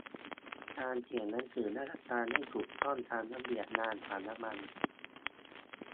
การเขียนหนังสือราชการให้ถูกต้องตามระเบียบงานสารบรรณ